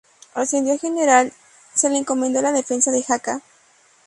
Ascendido a general se le encomendó la defensa de Jaca.